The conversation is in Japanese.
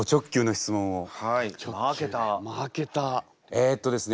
えっとですね